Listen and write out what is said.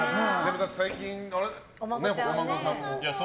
最近、お孫さんも。